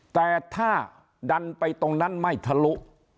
แต่ถ้าดันไปตรงนั้นไม่ทะลุ